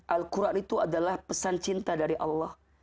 al quran itu adalah pesan cinta dari allah